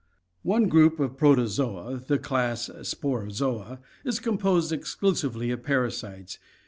— One group of Protozoa, the class Sporozoa, is com posed exclusively of parasites.